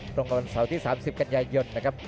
ตรงนับหน้าเสาที่๓๐กันยายน